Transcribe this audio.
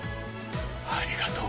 ありがとう。